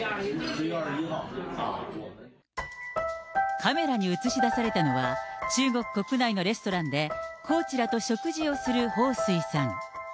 カメラに映し出されたのは、中国国内のレストランで、コーチらと食事をする彭帥さん。